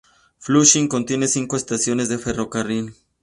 Flushing contiene cinco estaciones de ferrocarril.